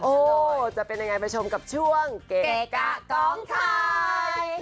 โอ้โหจะเป็นยังไงไปชมกับช่วงเกะกะกองไทย